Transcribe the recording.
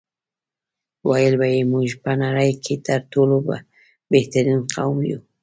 ویل به یې موږ په نړۍ کې تر ټولو بهترین قوم یو.